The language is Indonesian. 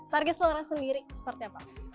target suara sendiri seperti apa